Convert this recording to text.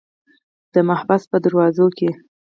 د محبس په دروازو کې.